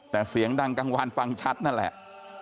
แต่เสียงดังกลางวันฟังชัดนั่นแหละ